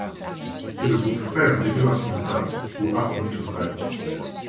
C'est le groupe frère des Euarchonta ou archontes vrais.